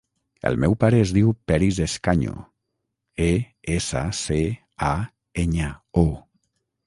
El meu pare es diu Peris Escaño: e, essa, ce, a, enya, o.